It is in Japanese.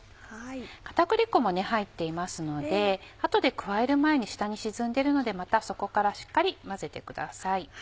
片栗粉も入っていますので後で加える前に下に沈んでいるのでまた底からしっかり混ぜてください。